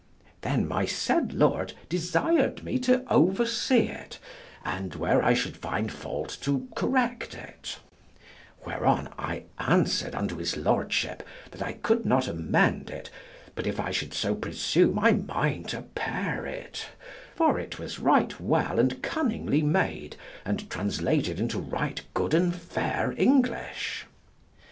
Then my said Lord desired me to oversee it, and where I should find fault to correct it; whereon I answered unto his Lordship that I could not amend it, but if I should so presume I might apaire it, for it was right well and cunningly made and translated into right good and fair English.